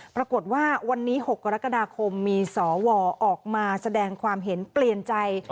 ปรากฏว่าวันนี้๖กรกฎาคมมีสวออกมาแสดงความเห็นเปลี่ยนใจ